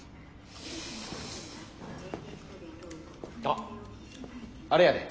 あっあれやで。